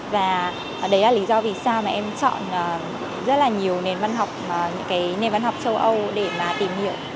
và đấy là lý do vì sao mà em chọn rất là nhiều nền văn học châu âu để tìm hiểu